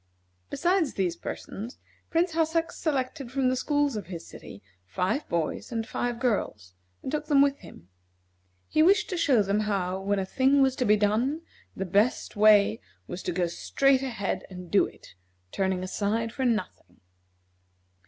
Besides these persons, Prince Hassak selected from the schools of his city five boys and five girls, and took them with him. He wished to show them how, when a thing was to be done, the best way was to go straight ahead and do it, turning aside for nothing.